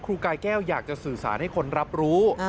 กายแก้วอยากจะสื่อสารให้คนรับรู้